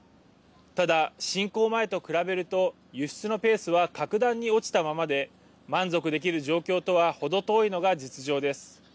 ただ、侵攻前と比べると輸出のペースは格段に落ちたままで満足できる状況とは程遠いのが実情です。